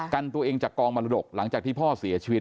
กันตัวเองจากกองมรดกหลังจากที่พ่อเสียชีวิต